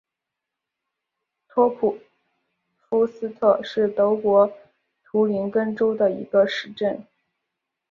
托普夫斯特是德国图林根州的一个市镇。